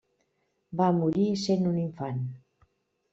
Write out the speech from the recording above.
Va morir sent un infant.